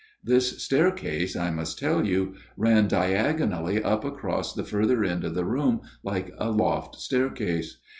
This staircase, I must tell you, ran diagonally up across the further end of the room, like a loft staircase.